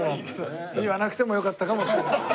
言わなくてもよかったかもしれない。